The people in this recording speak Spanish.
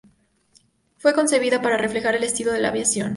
Fue concebida para reflejar el estilo de la aviación.